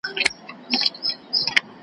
ابۍ اور نه لري تبۍ نه لري .